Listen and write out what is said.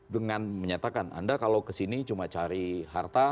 dengan menyatakan anda kalau kesini cuma cari harta